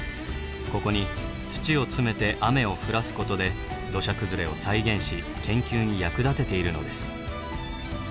ここに土を詰めて雨を降らすことで土砂崩れを再現し研究に役立てているのです。